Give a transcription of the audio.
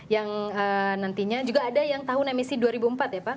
yang nantinya juga ada yang tahun emisi dua ribu empat ya pak